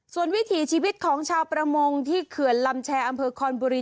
ส่วนวิถีชีวิตของชาวประมงที่เขื่อนลำแชร์อำเภอคอนบุรี